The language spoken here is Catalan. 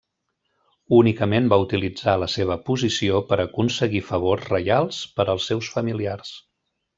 Únicament va utilitzar la seva posició per aconseguir favors reials per als seus familiars.